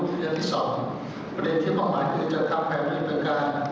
ประเด็นที่บอกหมายคือจะทำแขนงบินการ